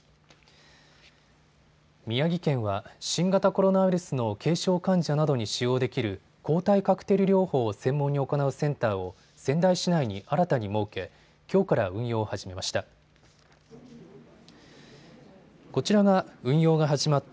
宮城県は新型コロナウイルスの軽症患者などに使用できる抗体カクテル療法を専門に行うセンターを仙台市内に新たに設け、きょうから運用を始めました。